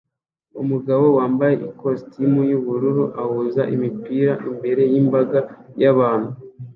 Umugabo wambaye ikositimu yubururu ahuza imipira imbere yimbaga yabantu